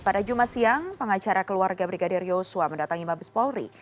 pada jumat siang pengacara keluarga brigadir yosua mendatangi mabes polri